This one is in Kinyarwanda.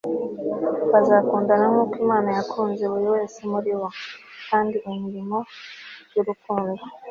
bazakundana nkuko imana yakunze buri wese muri bo. kandi imirimo y'urukundo